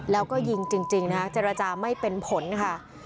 แล้วก็ยิงจริงนะคะเจรจาไม่เป็นผลค่ะ